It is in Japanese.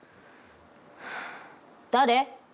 誰？